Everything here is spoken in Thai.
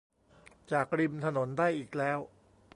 จากริมถนนได้อีกแล้ว